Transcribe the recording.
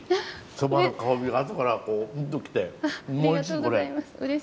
そばの香りがあとからきておいしいこれ。